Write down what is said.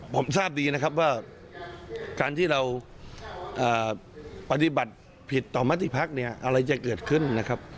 ผมทราบดีนะครับว่าการที่เราปฏิบัติผิดต่อมติภักดิ์เนี่ยอะไรจะเกิดขึ้นนะครับ